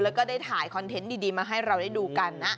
แล้วก็ได้ถ่ายคอนเทนต์ดีมาให้เราได้ดูกันนะ